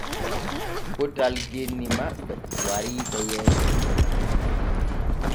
Potal genni maɓɓe wariɓe yeeso.